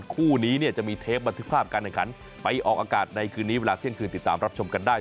คู่นี้เนี่ยจะมีเทปบันทึกภาพการแข่งขันไปออกอากาศในคืนนี้เวลาเที่ยงคืนติดตามรับชมกันได้